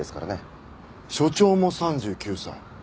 署長も３９歳。